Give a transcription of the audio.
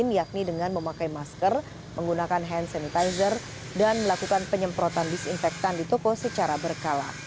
yakni dengan memakai masker menggunakan hand sanitizer dan melakukan penyemprotan disinfektan di toko secara berkala